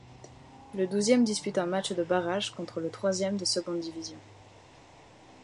Le douzième dispute un match de barrage contre le troisième de seconde division.